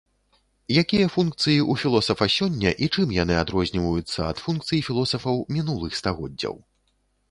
Якія функцыі ў філосафа сёння і чым яны адрозніваюцца ад функцый філосафаў мінулых стагоддзяў?